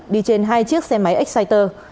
đi trên hai chiếc xe máy exciter